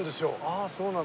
ああそうなんだ。